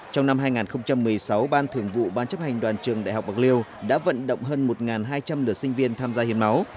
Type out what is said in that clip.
trong năm hai nghìn một mươi sáu ban thường vụ ban chấp hành đoàn trường đại học bạc liêu đã vận động hơn một hai trăm linh lượt sinh viên tham gia hiến máu